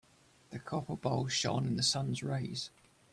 The copper bowl shone in the sun's rays.